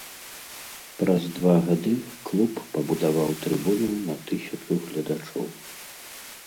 Праз два гады клуб пабудаваў трыбуну на тысячу гледачоў.